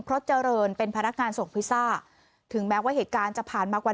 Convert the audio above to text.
เพราะเจริญเป็นพนักงานส่งพิซซ่าถึงแม้ว่าเหตุการณ์จะผ่านมากว่า